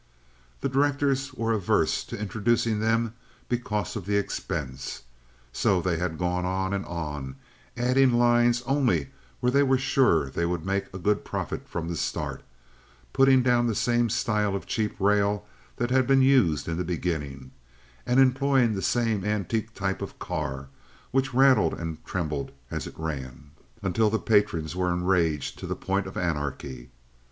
The directors were averse to introducing them because of the expense. So they had gone on and on, adding lines only where they were sure they would make a good profit from the start, putting down the same style of cheap rail that had been used in the beginning, and employing the same antique type of car which rattled and trembled as it ran, until the patrons were enraged to the point of anarchy.